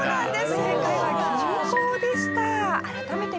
正解は銀行でした。